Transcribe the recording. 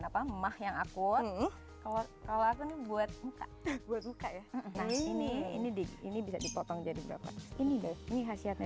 apa emah yang aku kalau kalau aku buat muka muka ya ini ini ini bisa dipotong jadi ini ini khasiatnya